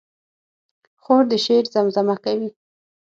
خور د شعر زمزمه کوي.